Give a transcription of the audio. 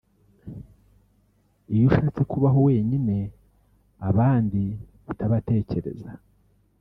Iyo ushatse kubaho wenyine abandi utabatekereza